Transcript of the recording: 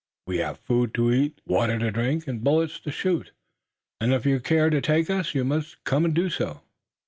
We have food to eat, water to drink and bullets to shoot, and if you care to take us you must come and do so."